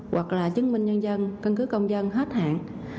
hoặc là chứng minh nhân dân cân cứ công dân hết hạn